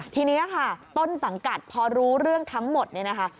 ทีนี้ค่ะต้นสังกัดพอรู้เรื่องทั้งหมดเนี่ยนะคะ